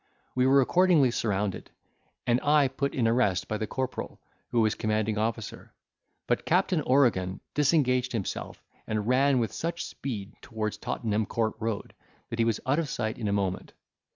We were accordingly surrounded, and I put in arrest by the corporal, who was commanding officer; but Captain Oregan disengaged himself, and ran with such speed towards Tottenham Court Road that he was out of sight in a moment.